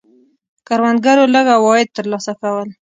کروندګرو لږ عواید ترلاسه کول.